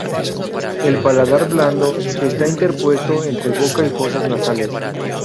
El paladar blando está interpuesto entre boca y fosas nasales.